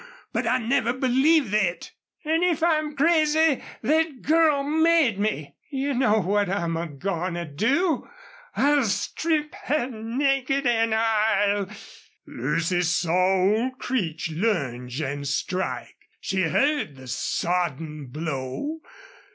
But I never believed thet." "An' if I'm crazy, thet girl made me.... You know what I'm a goin' to do? ... I'll strip her naked an' I'll " Lucy saw old Creech lunge and strike. She heard the sodden blow.